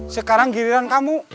sekarang giliran kamu